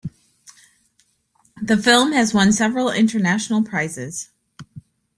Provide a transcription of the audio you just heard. The film has won several international prizes.